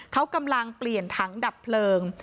เขากำลังเปลี่ยนถังดับเพลิง